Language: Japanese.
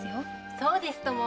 そうですとも。